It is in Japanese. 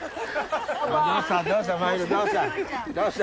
どうした？